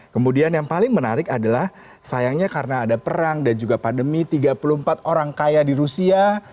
kemudian yang paling menarik adalah sayangnya karena ada perang dan juga pandemi tiga puluh empat orang kaya di rusia